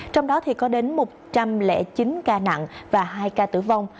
trong đó có đến một trăm linh chín ca nặng và hai ca tử vong